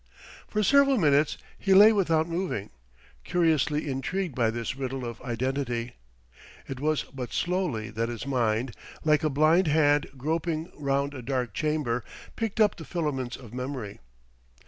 For several minutes he lay without moving, curiously intrigued by this riddle of identity: it was but slowly that his mind, like a blind hand groping round a dark chamber, picked up the filaments of memory.